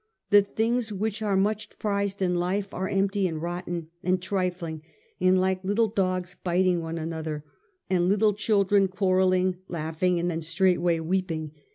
. the things which are much prized in life are empty and rotten, and trifling, and like little dogs biting one another, and little children quarrelling, laughing, and then straightway weeping.